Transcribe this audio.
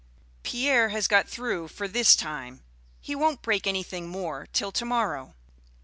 Pierre has got through for this time. He won't break anything more till to morrow."